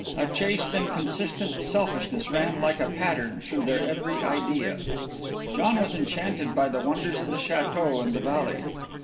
A chaste and consistent selfishness ran like a pattern through their every idea. John was enchanted by the wonders of the château and the valley.